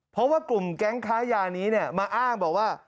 เพราะว่ากลุ่มแก๊งค้ายานี้มาอ้างบอกว่า